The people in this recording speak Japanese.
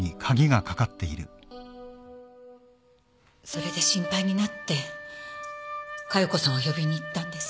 それで心配になって加代子さんを呼びに行ったんです。